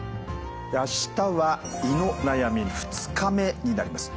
明日は「胃の悩み」２日目になります。